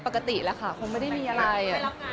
ปกติแล้วค่ะคงไม่ได้มีอะไร